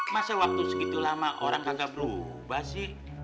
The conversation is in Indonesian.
masa waktu segitu lama orang agak berubah sih